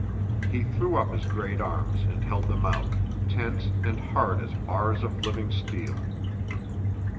He threw up his great arms and held them out, tense and hard as bars of living steel.